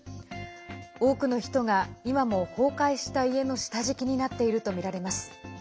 多くの人が今も崩壊した家の下敷きになっているとみられます。